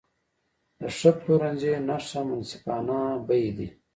د ښه پلورنځي نښه منصفانه بیې دي.